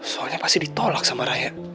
soalnya pasti ditolak sama rakyat